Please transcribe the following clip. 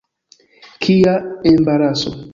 Kia embaraso!